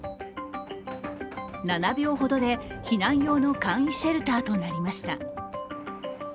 ７秒ほどで避難用の簡易シェルターとなりました。